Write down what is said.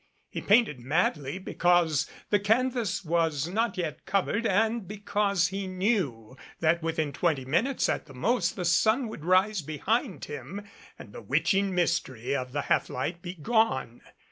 He painted madly because the canvas was not yet covered and because he knew that within twenty minutes at the most the sun would rise behind him and the witching mystery of the half light be gone.